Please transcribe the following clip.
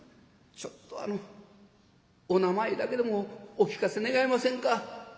ちょっとあのお名前だけでもお聞かせ願えませんか」。